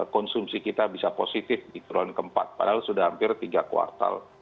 konsumsi kita bisa positif di tron keempat padahal sudah hampir tiga kuartal